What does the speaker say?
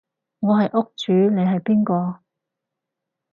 我係屋主你係邊個？